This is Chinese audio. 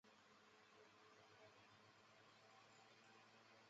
有媒体报道其中一张照片的肖像疑似陈静仪。